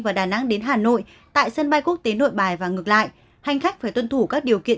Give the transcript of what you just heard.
và đà nẵng đến hà nội tại sân bay quốc tế nội bài và ngược lại hành khách phải tuân thủ các điều kiện